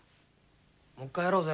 もう一回やろうぜ。